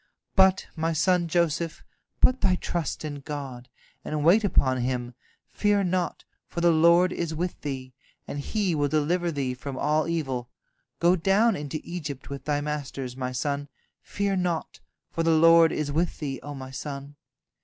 But, my son Joseph, put thy trust in God, and wait upon Him. Fear not, for the Lord is with thee, and He will deliver thee from all evil. Go down into Egypt with thy masters, my son; fear naught, for the Lord is with thee, O my son."